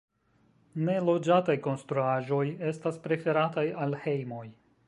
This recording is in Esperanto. Neloĝataj konstruaĵoj estas preferataj al hejmoj.